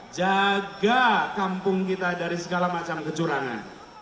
jaga kampung kita dari segala macam kecurangan